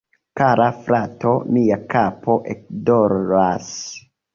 Kara frato, mia kapo ekdoloras